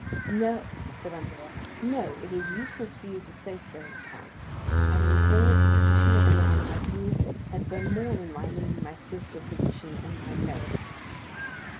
"No," said Andrea,—"no; it is useless for you to say so, count. I maintain that the position of a man like you has done more than my name, my social position, and my merit."